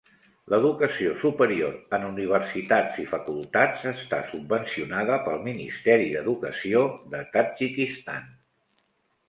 L'educació superior en universitats i facultats està subvencionada pel Ministeri d'Educació de Tadjikistan.